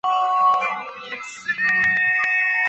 一家人都生活在恐惧之中